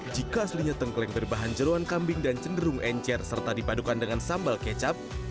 jika aslinya tengkleng berbahan jeruan kambing dan cenderung encer serta dipadukan dengan sambal kecap